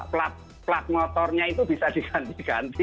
plat motornya itu bisa diganti ganti